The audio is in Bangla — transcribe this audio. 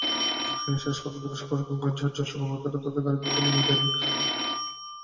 শেষ কর্মদিবস হওয়ায় ব্যাংকের জ্যেষ্ঠ কর্মকর্তারা তাঁকে গাড়িতে তুলে বিদায় দেন।